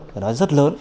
phải nói rất lớn